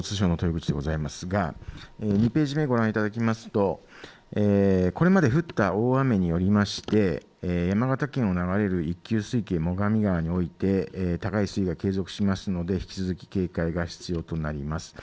ぐちでございますが２ページ目ご覧いただきますとこれまで降った大雨によりまして山形県を流れる一級水系最上川において高い水位が継続しますので引き続き警戒が必要となります。